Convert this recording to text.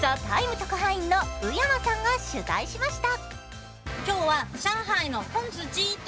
特派員の宇山さんが取材しました。